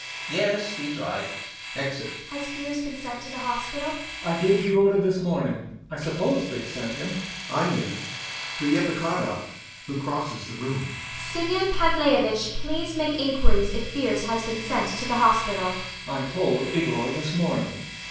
yes, he's right. [Exit.] ANYA. Has Fiers been sent to the hospital? YASHA. I gave the order this morning. I suppose they've sent him. ANYA. [To EPIKHODOV, who crosses the room] Simeon Panteleyevitch, please make inquiries if Fiers has been sent to the hospital. YASHA. [Offended] I told Egor this morning.